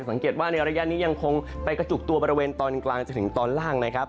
สังเกตว่าในระยะนี้ยังคงไปกระจุกตัวบริเวณตอนกลางจนถึงตอนล่างนะครับ